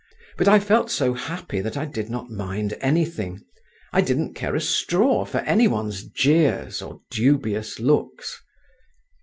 But I felt so happy that I did not mind anything, I didn't care a straw for any one's jeers, or dubious looks.